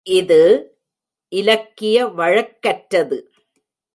இது இலக்கிய வழக்கற்றது.